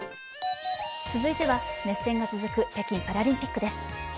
続いては、熱戦が続く北京パラリンピックです。